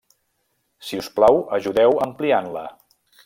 Si us plau, ajudeu ampliant-la.